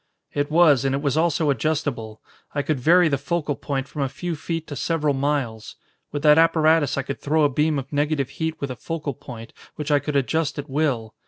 "It was, and it was also adjustable. I could vary the focal point from a few feet to several miles. With that apparatus I could throw a beam of negative heat with a focal point which I could adjust at will.